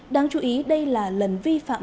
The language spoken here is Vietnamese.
đáng chú ý đây là lần vi phạm